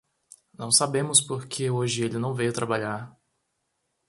Não sabemos por que hoje ele não veio trabalhar.